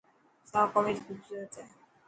سائو ڪميز خوبصورت هي.